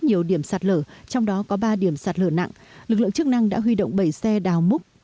nhiều điểm sạt lở trong đó có ba điểm sạt lở nặng lực lượng chức năng đã huy động bảy xe đào múc